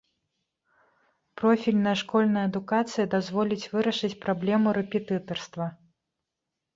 Профільная школьная адукацыя дазволіць вырашыць праблему рэпетытарства.